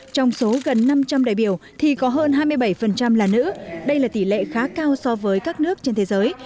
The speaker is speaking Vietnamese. trong số gần năm trăm linh đại biểu thì có hơn hai mươi bảy là nữ đây là tỷ lệ khá cao so với các nước trên thế giới